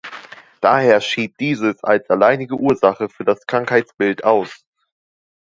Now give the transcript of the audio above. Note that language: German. Daher schied dieses als alleinige Ursache für das Krankheitsbild aus.